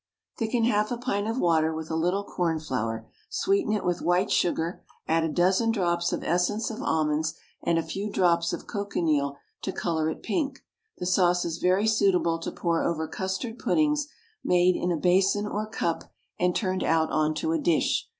Thicken half a pint of water with a little corn flour, sweeten it with white sugar, add a dozen drops of essence of almonds and a few drops of cochineal to colour it pink. The sauce is very suitable to pour over custard puddings made in a basin or cup and turned out on to a dish.